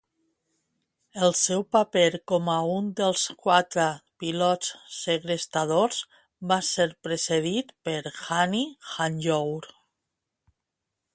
El seu paper com un dels quatre pilots segrestadors va ser precedit per Hani Hanjour.